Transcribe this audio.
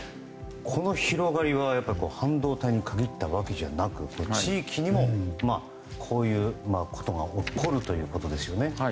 この広がりは半導体に限ったわけじゃなく地域にもこういうことが起こるということですよね。